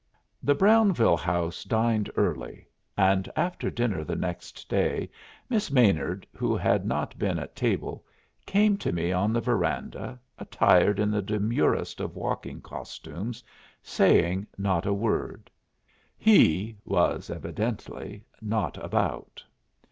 The Brownville House dined early, and after dinner the next day Miss Maynard, who had not been at table, came to me on the veranda, attired in the demurest of walking costumes, saying not a word. "He" was evidently "not about."